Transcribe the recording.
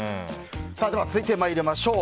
続いて参りましょう。